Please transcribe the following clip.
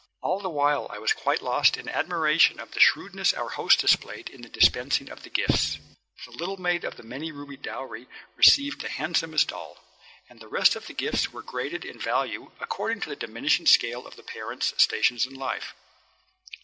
All the while I was quite lost in admiration of the shrewdness our host displayed in the dispensing of the gifts. The little maid of the many rubied dowry received the handsomest doll, and the rest of the gifts were graded in value according to the diminishing scale of the parents' stations in life.